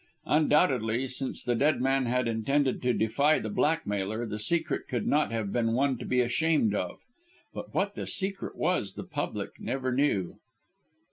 Undoubtedly, since the dead man had intended to defy the blackmailer, the secret could not have been one to be ashamed of. But what the secret was the public never knew.